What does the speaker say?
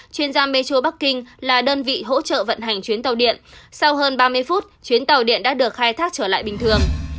chuyên gia metro bắc kinh là đơn vị hỗ trợ vận hành chuyến tàu điện sau hơn ba mươi phút chuyến tàu điện đã được khai thác trở lại bình thường